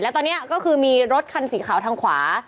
แล้วตอนนี้ก็คือมีรถคันสีขาวทางขวา